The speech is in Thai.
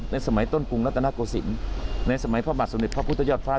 สมัยต้นกรุงรัฐนาโกศิลป์ในสมัยพระบาทสมเด็จพระพุทธยอดฟ้า